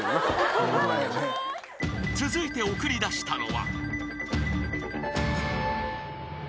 ［続いて送り出したのは］